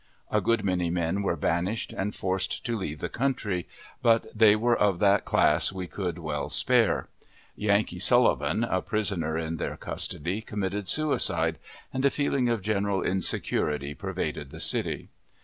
A good many men were banished and forced to leave the country, but they were of that class we could well spare. Yankee Sullivan, a prisoner in their custody, committed suicide, and a feeling of general insecurity pervaded the city.